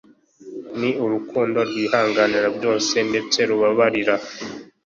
, ni urukundo rwihanganira byose ndetse rubabarira